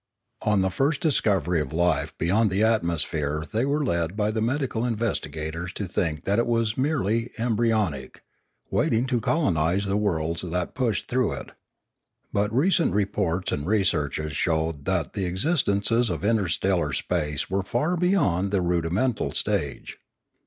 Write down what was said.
On the first discovery of life beyond the atmosphere they were led by the medical investigators to think that it was merely embryonic, waiting to colonise the worlds that pushed through it. But recent reports and researches showed that the existences of interstellar space were far beyond the rudi mental stage.